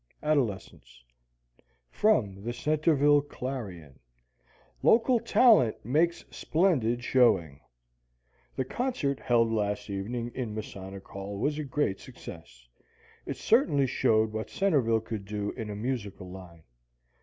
ADOLESCENCE_ From the Centerville "Clarion": LOCAL TALENT MAKES SPLENDID SHOWING The concert held last evening in Masonic Hall was a great success. It certainly showed what Centerville could do in a musical line.